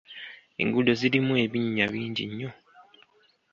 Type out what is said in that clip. Enguudo zirumu ebinnya bingi nnyo.